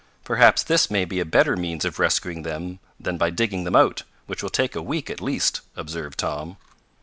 "Perhaps this may be a better means of rescuing them than by digging them out, which will take a week at least," observed Tom.